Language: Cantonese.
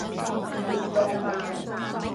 熱到爆